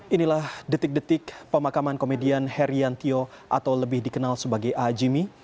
inilah detik detik pemakaman komedian heriantio atau lebih dikenal sebagai a jimmy